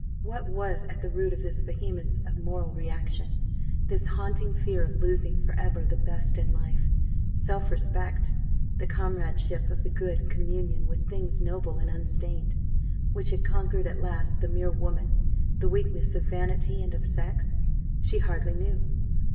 What was at the root of this vehemence of moral reaction, this haunting fear of losing for ever the best in life self respect, the comradeship of the good, communion with things noble and unstained which had conquered at last the mere woman, the weakness of vanity and of sex? She hardly knew.